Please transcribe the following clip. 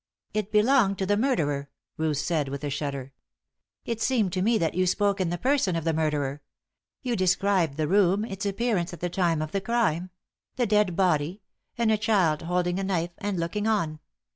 "It belonged to the murderer," Ruth said with a shudder. "It seemed to me that you spoke in the person of the murderer. You described the room, its appearance at the time of the crime the dead body, and a child holding a knife, and looking on.